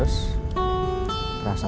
kamu pada waktu bulu